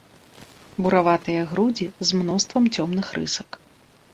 Бураватыя грудзі з мноствам цёмных рысак.